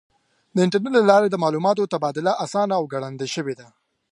د انټرنیټ له لارې د معلوماتو تبادله آسانه او ګړندۍ شوې ده.